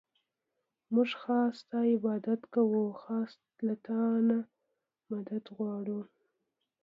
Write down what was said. مونږ خاص ستا عبادت كوو او خاص له تا نه مدد غواړو.